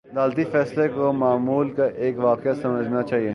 عدالتی فیصلے کو معمول کا ایک واقعہ سمجھنا چاہیے۔